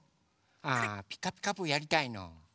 あ「ピカピカブ！」やりたいの？